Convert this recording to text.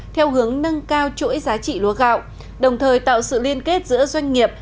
theo hướng nâng cao chuỗi giá trị lúa gạo đồng thời tạo sự liên kết giữa doanh nghiệp